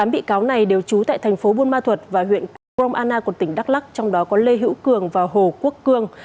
tám bị cáo này đều trú tại thành phố buôn ma thuật và huyện gromana của tp đắk lắc trong đó có lê hữu cường và hồ quốc cương